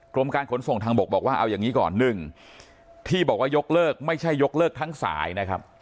กรมการขนส่งทางบกบอกว่าเอาอย่างนี้ก่อน๑ที่บอกว่ายกเลิกไม่ใช่ยกเลิกทั้งสายนะครับ